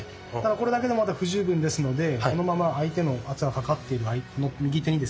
これだけでもまだ不十分ですのでこのまま相手の圧がかかっているこの右手にですね。